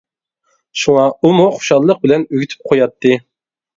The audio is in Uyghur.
شۇڭا ئۇمۇ خۇشاللىق بىلەن ئۆگىتىپ قوياتتى.